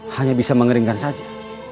hanya bisa mengeringkan saja